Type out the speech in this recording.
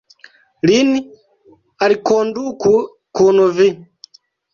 Lin alkonduku kun vi.